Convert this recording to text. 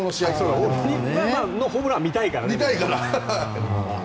大谷のホームランは見たいからね。